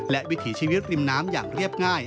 และวิถีชีวิตริมน้ำอย่างเรียบง่าย